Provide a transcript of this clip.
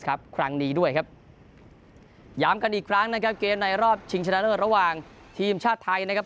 ครั้งนี้ด้วยครับย้ำกันอีกครั้งนะครับเกมในรอบชิงชนะเลิศระหว่างทีมชาติไทยนะครับ